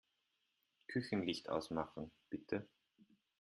Küchenlicht ausmachen, bitte.